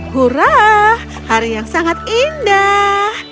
hurah hari yang sangat indah